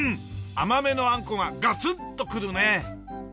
甘めのあんこがガツッとくるね。